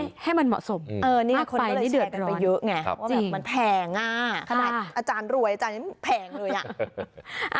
ก็ให้มันเหมาะสมมากไปที่แชร์กันไปเยอะไงเพราะมันแพงอ่ะขนาดอาจารย์รวยอาจารย์นี้แพงเลยอ่ะ